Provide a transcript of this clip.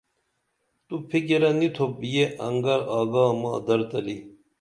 تو فِکِرہ نی تُھوپ یہ انگر آگا ماں در تلی